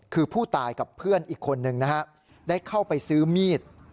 คือผู้ตายกับเพื่อนอีกคนนึงนะฮะได้เข้าไปซื้อมีด